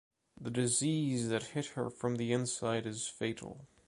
The disease that hit her from the inside is fatal.